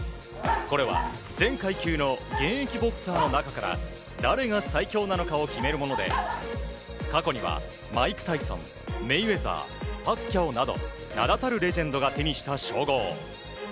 これは全階級の現役ボクサーの中から誰が最強なのかを決めるもので過去にはマイク・タイソンマイウェザーパッキャオなど、名だたるレジェンドが手にした称号。